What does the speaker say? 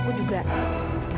aku pecat dia